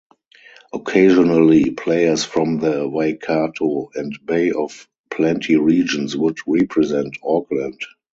Occasionally players from the Waikato and Bay of Plenty regions would represent Auckland.